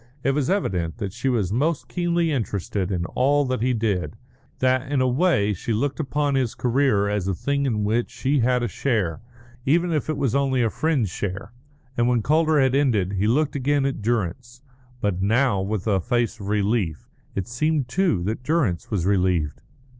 It was evident that she was most keenly interested in all that he did; that, in a way, she looked upon his career as a thing in which she had a share, even if it was only a friend's share. And when Calder had ended he looked again at Durrance, but now with a face of relief. It seemed, too, that Durrance was relieved.